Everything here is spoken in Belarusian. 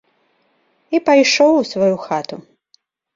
І пайшоў у сваю хату.